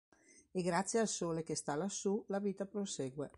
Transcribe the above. E grazie al Sole che sta lassù la vita prosegue.